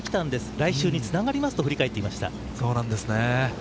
来週につながりますと振り返っていました。